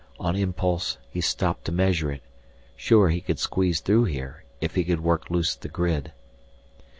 On impulse he stopped to measure it, sure he could squeeze through here, if he could work loose the grid.